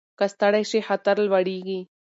که ستړي شئ خطر لوړېږي.